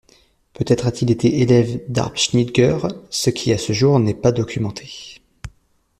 Peut-être a-t-il été élève d'Arp Schnitger ce qui à ce jour n'est pas documenté.